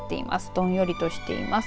どんよりとしています。